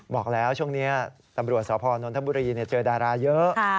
บอกแล้วช่วงนี้ตำรวจสพนนทบุรีเจอดาราเยอะ